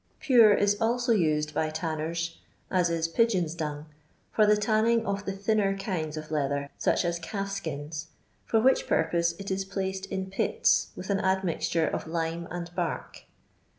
Pure is also used by tannery as is pigeon's dung, for the tanning of the thinner kinds of leather, such as calf skins, for which purpose it is placed in pits with an admixture of lime and bark.